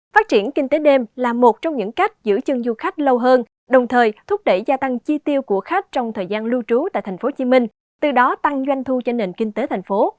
phát triển kinh tế đêm là một trong những cách giữ chân du khách lâu hơn đồng thời thúc đẩy gia tăng chi tiêu của khách trong thời gian lưu trú tại tp hcm từ đó tăng doanh thu cho nền kinh tế thành phố